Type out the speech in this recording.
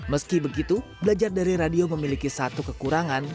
meski begitu belajar dari radio memiliki satu kekurangan